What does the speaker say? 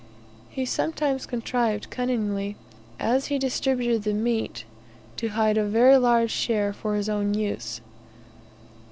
He sometimes contrived cunningly, as he distributed the meat, to hide a very large share for his own use.